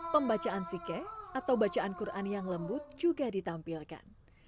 pembacaan sikeh atau bacaan quran yang lembut juga ditampilkan